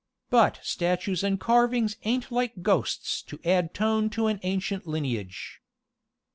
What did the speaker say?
But statues and carvings ain't like ghosts to add tone to an ancient lineage."